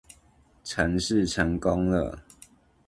程式成功了